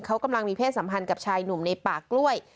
เขากำลังมีเพศสัมพันธ์กับชายหนุ่มในป่ากล้วย